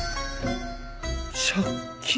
借金？